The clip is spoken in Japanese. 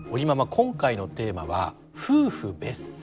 今回のテーマは「夫婦別姓」。